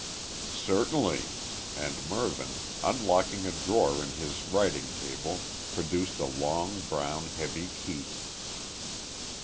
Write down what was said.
"Certainly," and Mervyn, unlocking a drawer in his writing table produced a long, brown, heavy key.